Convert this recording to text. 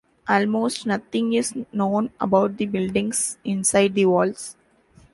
Almost nothing is known about the buildings inside the walls.